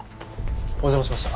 お邪魔しました。